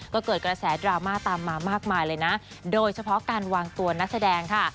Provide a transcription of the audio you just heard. ก็เกิดกระแสดราม่าตามมามากมายเลยนะโดยเฉพาะการวางตัวนักแสดงค่ะ